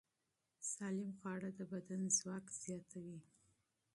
سالم خواړه د بدن ځواک زیاتوي.